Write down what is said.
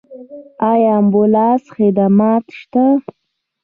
آیا امبولانس خدمات شته؟